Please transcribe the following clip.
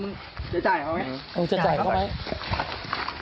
มึงจะจ่ายเขาไหม